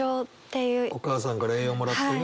お母さんから栄養もらってね。